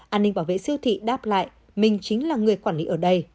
an ninh bảo vệ siêu thị đáp lại mình chính là người quản lý ở đây